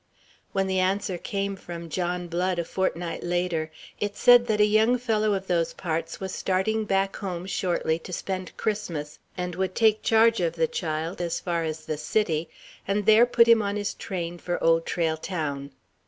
When the answer came from John Blood, a fortnight later, it said that a young fellow of those parts was starting back home shortly to spend Christmas, and would take charge of the child as far as the City, and there put him on his train for Old Trail Town.